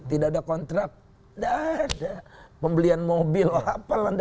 tidak ada kontrak pembelian mobil apa